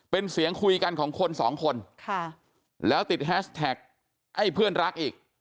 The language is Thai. เป็นเสียงคุยกันของคนสองคนค่ะแล้วติดแฮชแท็กไอ้เพื่อนรักอีก